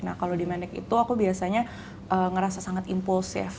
nah kalau di manic itu aku biasanya ngerasa sangat impulsif